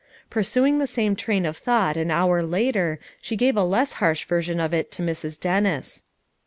Pur suing the same train of thought an hour later she gave a less harsh version of it to Mrs. Dennis.